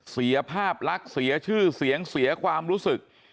เสียภาพลักษณ์เสียชื่อเสียงเสียความรู้สึก